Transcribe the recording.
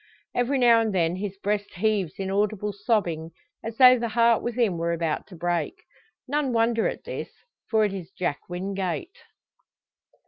Every now and then his breast heaves in audible sobbing as though the heart within were about to break. None wonder at this; for it is Jack Wingate.